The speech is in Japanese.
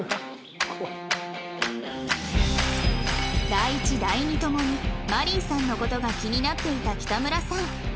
第一第二ともにマリーさんの事が気になっていた北村さん